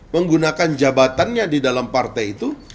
menggunakan jabatannya di dalam partai itu